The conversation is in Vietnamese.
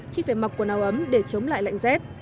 khi phải mặc quần áo ấm để chống lại lạnh rét